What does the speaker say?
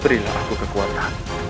berilah aku kekuatan